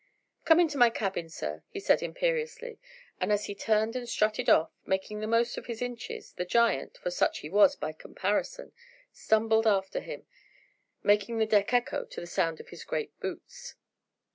"Come into my cabin, sir," he said imperiously, and as he turned and strutted off, making the most of his inches, the giant for such he was by comparison stumbled after him, making the deck echo to the sound of his great boots.